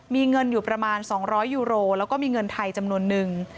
มีเงินอยู่ประมาณ๒๐๐ยูโรแล้วก็มีเงินไทยจำนวนนึง